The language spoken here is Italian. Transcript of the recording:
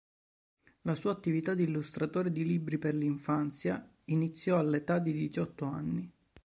La sua attività di illustratore di libri per l'infanzia iniziò all'età di diciotto anni.